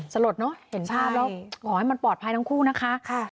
สลดเนอะเห็นภาพแล้วขอให้มันปลอดภัยทั้งคู่นะคะ